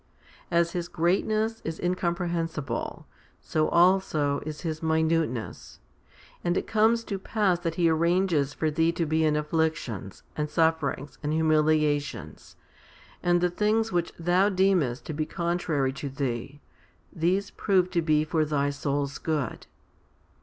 As His greatness is incomprehensible, so also is His minuteness; and it comes to pass that He arranges for thee to be in afflictions, and sufferings, and humiliations ; and the things which thou deemest to be contrary to thee, these prove to be for thy soul's good.